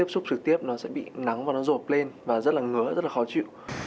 cảm ơn các bạn đã theo dõi và hẹn gặp lại